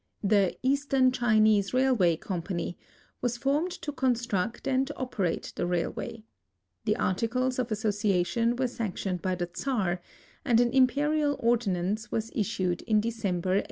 The Eastern Chinese Railway Company was formed to construct and operate the railway. The articles of association were sanctioned b}^ the Czar, and an imperial ordi nance was issued in December, 1896.